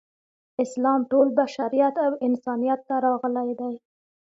اسلام ټول بشریت او انسانیت ته راغلی دی.